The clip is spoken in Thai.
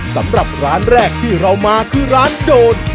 สำหรับร้านแรกที่เรามาคือร้านโดน